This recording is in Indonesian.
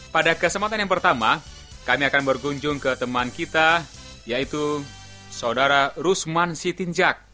pada kesempatan yang pertama kami akan berkunjung ke teman kita yaitu saudara rusman sitinjak